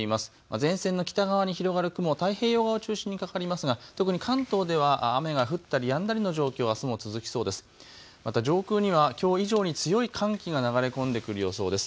前線の北側に広がる雲、太平洋側を中心にかかりますが特に関東では雨が降ったりやんだりの状況、あすも続きそうです。